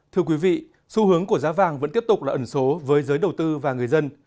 thưa quý vị xu hướng của giá vàng vẫn tiếp tục là ẩn số với giới đầu tư và người dân